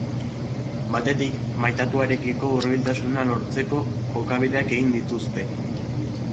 Batetik, maitatuarekiko hurbiltasuna lortzeko jokabideak egiten dituzte.